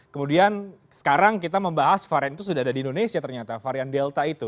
kemudian sekarang kita membahas varian itu sudah ada di indonesia ternyata varian delta itu